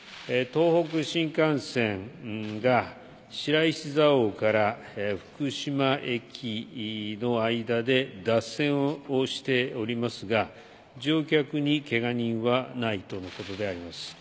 東北新幹線が白石蔵王から福島駅の間で脱線をしておりますが乗客にけが人はないとのことであります。